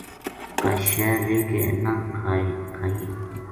کائے شے لے کے نہ کھانیے